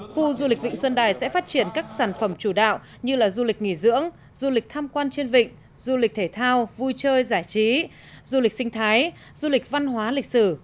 khu du lịch vịnh xuân đài sẽ phát triển các sản phẩm chủ đạo như là du lịch nghỉ dưỡng du lịch tham quan trên vịnh du lịch thể thao vui chơi giải trí du lịch sinh thái du lịch văn hóa lịch sử